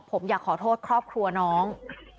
ผมอยากขอโทษครอบครัวน้อง